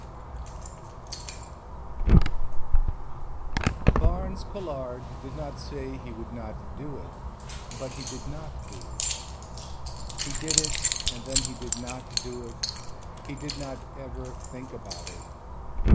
ADA Barnes Colhard did not say he would not do it but he did not do it. He did it and then he did not do it, he did not ever think about it.